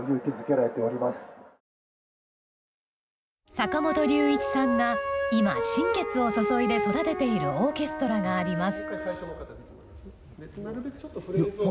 坂本龍一さんが今、心血を注いで育てているオーケストラがあります。